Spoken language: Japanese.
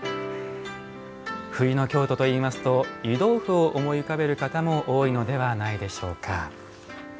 冬の京都といいますと湯豆腐を思い浮かべる方も多いのではないでしょうか。